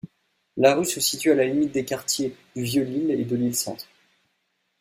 La rue se situe à la limite des quartiers du Vieux-Lille et de Lille-Centre.